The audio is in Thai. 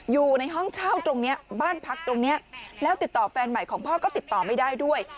อยู่ในห้องเช่าตรงนี้บ้านพักตรงนี้แล้วติดต่อแฟนใหม่ของพ่อก็ติดต่อไม่ได้ด้วย